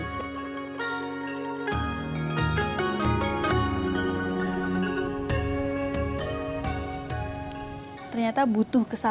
saya seperti bahan biasa